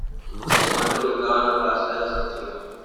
Se encuentra ubicado en la Plaza de la Asunción.